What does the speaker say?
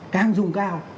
càng dùng cao